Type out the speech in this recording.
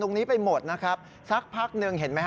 ตรงนี้ไปหมดนะครับสักพักหนึ่งเห็นไหมฮ